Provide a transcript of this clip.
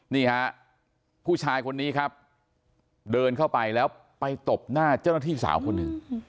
นี่ฮะผู้ชายคนนี้ครับเดินเข้าไปแล้วไปตบหน้าเจ้าหน้าที่สาวคนหนึ่ง